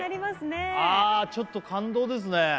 あちょっと感動ですね